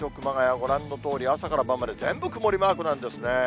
ご覧のとおり、朝から晩まで全部曇りマークなんですね。